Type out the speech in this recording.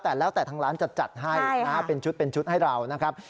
แต่แล้วแต่ทางร้านจะจัดให้เป็นชุดเป็นชุดให้เรานะครับ